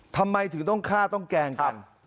ทำไมถึงต้องฆ่าต้องแกล้งกัน